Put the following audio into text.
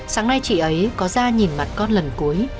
sáng nay chị ấy có ra nhìn mặt con lần cuối